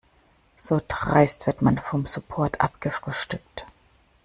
So dreist wird man vom Support abgefrühstückt.